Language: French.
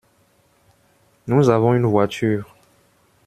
Nous avons une voiture.